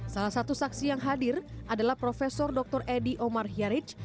salah satu saksi yang hadir adalah prof dr edy omar hyaric